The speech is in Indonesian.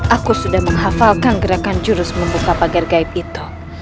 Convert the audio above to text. aku sudah menghafalkan gerakan jurus membuka pagar gaib itu